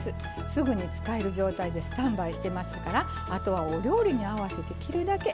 すぐに使える状態でスタンバイしてますからあとはお料理に合わせて切るだけ。